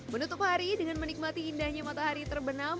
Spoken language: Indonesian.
menutup hari dengan menikmati indahnya matahari terbenam